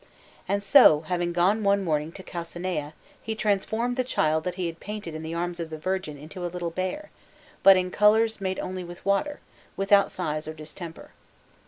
And so, having gone one morning to Calcinaia, he transformed the child that he had painted in the arms of the Virgin into a little bear, but in colours made only with water, without size or distemper.